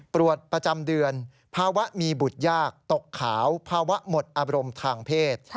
ประจำเดือนภาวะมีบุตรยากตกขาวภาวะหมดอารมณ์ทางเพศ